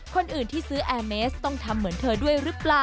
คนอื่นที่ซื้อแอร์เมสต้องทำเหมือนเธอด้วยหรือเปล่า